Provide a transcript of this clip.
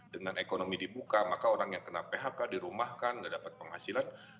dengan ekonomi dibuka maka orang yang kena phk dirumahkan nggak dapat penghasilan